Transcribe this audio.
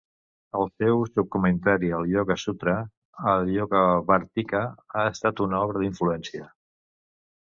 El seu subcomentari al 'Ioga Sutra', el 'Yogavarttika', ha estat una obra d'influència.